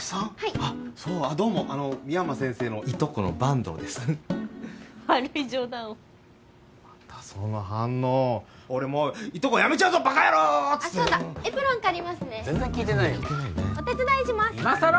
あっそうどうも深山先生のいとこの坂東です悪い冗談をまたその反応俺もういとこやめちゃうぞバカヤローあっそうだエプロン借りますね全然聞いてないよお手伝いします今さら？